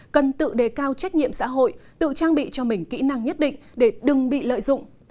cần tự đề cao trách nhiệm xã hội tự trang bị cho mình kỹ năng nhất định để đừng bị lợi dụng